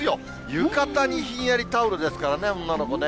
浴衣にひんやりタオルですからね、女の子ね。